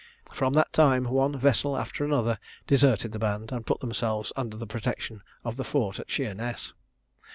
From that time one vessel after another deserted the band, and put themselves under the protection of the fort at Sheerness.